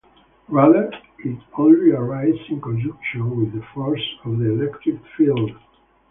Rather, it only arises in conjunction with the force of the electric field.